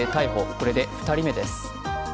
これで２人目です。